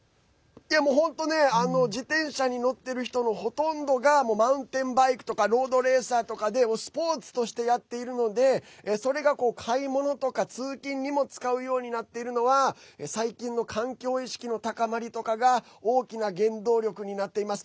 自転車に乗ってる人のほとんどがマウンテンバイクとかロードレーサーとかでスポーツとしてやってるのでそれが買い物とか通勤にも使うようになっているのは最近の環境意識の高まりとかが大きな原動力になっています。